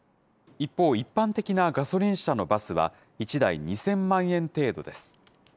一方、一般的なガソリン車のバスは、１台２０００万円程度です。